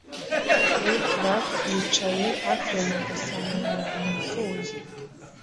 Wiglaf yicaye hafi ya nyagasani wapfuye